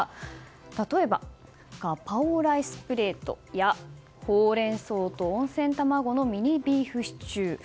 例えば、ガパオライスプレートやほうれん草と温泉卵のミニビーフシチュー。